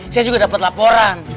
saya juga dapat laporan